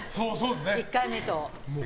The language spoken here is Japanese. １回目と。